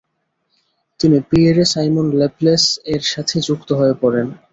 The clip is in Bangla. তিনি পিয়েরে-সাইমন ল্যাপলেস-এর সাথে যুক্ত হয়ে পড়েন।